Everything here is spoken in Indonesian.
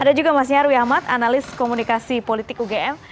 ada juga mas nyarwi ahmad analis komunikasi politik ugm